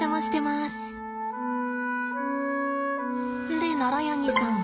でナラヤニさん